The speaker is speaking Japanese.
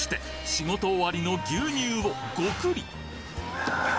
仕事終わりの牛乳をごくり！